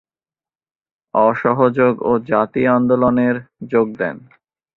অসহযোগ ও জাতীয় আন্দোলনের যোগ দেন।